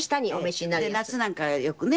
夏なんかよくね